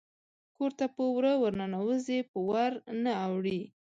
کور ته په وره ورننوزي په ور نه اوړي